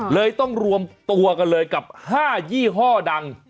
เลยต้องรวมตัวกันเลยกับ๕ยี่ห้อดัง